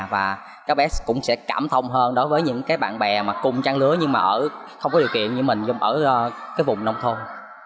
và các bé cũng sẽ cảm thông hơn đối với những cái bạn bè mà cung trang lứa nhưng mà không có điều kiện như mình dùng ở cái vùng nông thôn